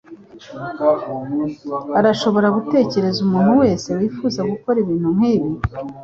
Urashobora gutekereza umuntu wese wifuza gukora ibintu nkibi?